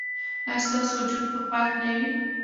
ایا ستاسو وجود به پاک نه وي؟